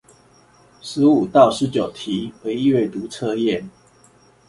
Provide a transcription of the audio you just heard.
十五到十九題為閱讀測驗